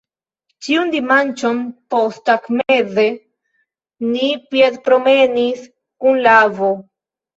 Ĉiun dimanĉon posttagmeze ni piedpromenis kun la avo.